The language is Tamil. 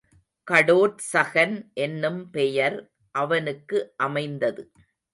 கடோற்சகன் என்னும் பெயர் அவனுக்கு அமைந்தது.